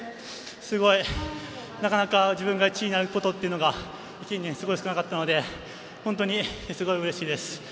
なかなか自分が１位になることというのが近年すごい少なかったので本当にすごいうれしいです。